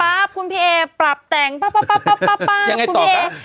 ป๊าบคุณพี่เอปรับแต่งป๊าบป๊าบป๊าบป๊าบป๊าบคุณพี่เอยังไงต่อค่ะ